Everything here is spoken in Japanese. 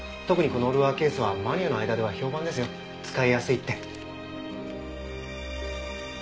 特にこのルアーケースはマニアの間では評判ですよ使いやすいって。